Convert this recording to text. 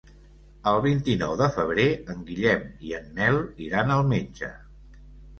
El vint-i-nou de febrer en Guillem i en Nel iran al metge.